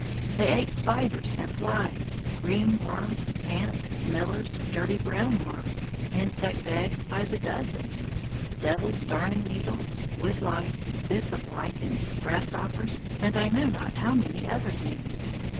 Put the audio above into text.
They ate spiders and flies, green worms, ants, millers, dirty brown worms, insect eggs by the dozen, devil's darning needles, woodlice, bits of lichen, grasshoppers, and I know not how many other things.